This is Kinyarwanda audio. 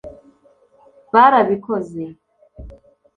barabikoze